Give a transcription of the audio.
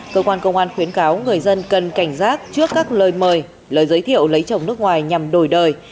cơ quan công an khuyến cáo người dân cần cảnh giác trước các lời mời lời giới thiệu lấy chồng nước ngoài nhằm đổi đời